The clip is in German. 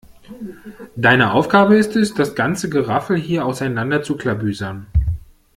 Deine Aufgabe ist es, das ganze Geraffel hier auseinander zu klabüstern.